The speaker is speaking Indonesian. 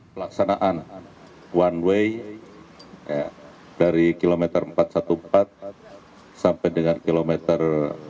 pelaksanaan one way dari kilometer empat ratus empat belas sampai dengan kilometer